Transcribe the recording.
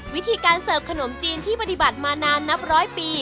วิธีการเสิร์ฟขนมจีนที่ปฏิบัติมานานนับร้อยปี